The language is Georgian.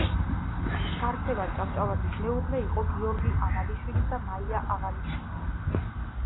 გარსევან ჭავჭავაძის მეუღლე იყო გიორგი ავალიშვილის და მაია ავალიშვილი.